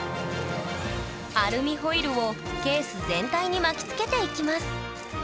アルミホイルをケース全体に巻きつけていきます